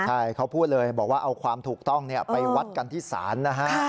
ใช่เขาพูดเลยบอกว่าเอาความถูกต้องไปวัดกันที่ศาลนะฮะ